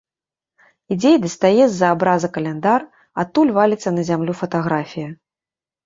Ідзе і дастае з-за абраза каляндар, адтуль валіцца на зямлю фатаграфія.